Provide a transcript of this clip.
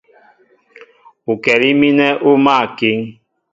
Ukɛlí mínɛ́ ú máál a kíŋ.